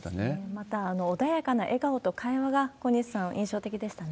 また、穏やかな笑顔と会話が、小西さん、印象的でしたね。